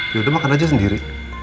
yaudah makan aja sendiri